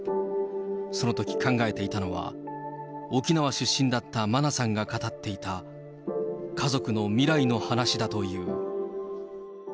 そのとき考えていたのは、沖縄出身だった真菜さんが語っていた家族の未来の話だという。